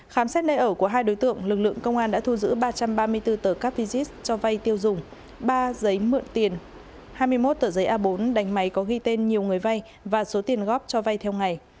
khám xét nơi ở của hai đối tượng lực lượng công an đã thu giữ ba trăm ba mươi bốn tờ capisis cho vay tiêu dùng ba giấy mượn tiền hai mươi một tờ giấy a bốn đánh máy có ghi tên nhiều người vay và số tiền góp cho vay theo ngày